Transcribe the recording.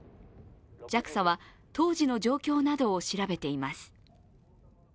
ＪＡＸＡは当時の状況などを調べています。